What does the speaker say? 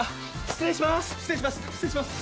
失礼します。